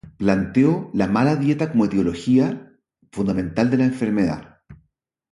Planteó la mala dieta como etiología fundamental de la enfermedad.